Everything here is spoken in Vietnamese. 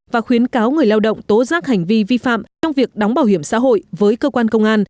và khuyến cáo người lao động tố giác hành vi vi phạm trong việc đóng bảo hiểm xã hội với cơ quan công an